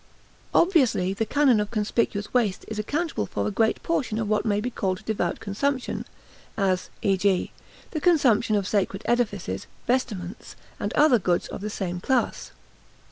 Obviously, the canon of conspicuous waste is accountable for a great portion of what may be called devout consumption; as, e.g., the consumption of sacred edifices, vestments, and other goods of the same class.